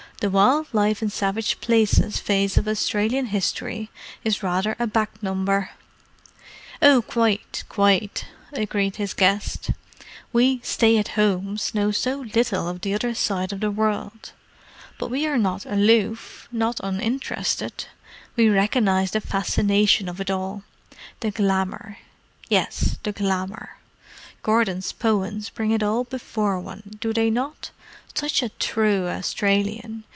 "The 'wild life in savage places' phase of Australian history is rather a back number." "Oh, quite—quite," agreed his guest. "We stay at homes know so little of the other side of the world. But we are not aloof—not uninterested. We recognize the fascination of it all. The glamour—yes, the glamour. Gordon's poems bring it all before one, do they not? Such a true Australian!